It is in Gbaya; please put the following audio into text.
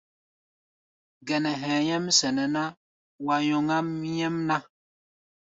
Gɛnɛ hɛ̧ɛ̧ nyɛ́m sɛnɛ ná, wa nyɔŋáʼm nyɛ́mná.